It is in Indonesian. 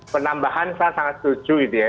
penambahan saya sangat setuju gitu ya